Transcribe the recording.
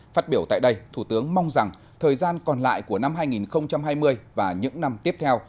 phát biểu tại đây thủ tướng mong rằng thời gian còn lại của năm hai nghìn hai mươi và những năm tiếp theo